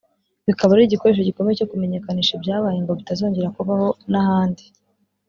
bikaba ari igikoresho gikomeye cyo kumenyekanisha ibyabaye ngo bitazongera kubaho n’ahandi